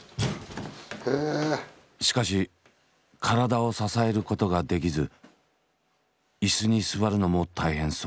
しかし体を支えることができず椅子に座るのも大変そうだった。